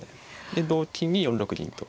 で同金に４六銀と。